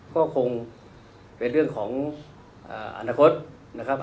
ก็คงเป็นเรื่องของอนาคตนะครับ